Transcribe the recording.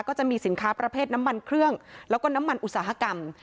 ก็จะมีสินค้าประเภทน้ำมันเครื่องแล้วก็น้ำมันอุตสาหกรรม